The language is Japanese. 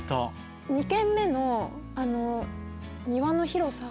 ２軒目のあの庭の広さ。